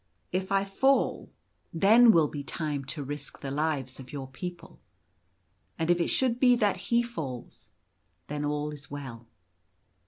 If I fall, then will be 28 The Golden Armour. time to risk the lives of your people ; and if it should be that he falls, then all is well."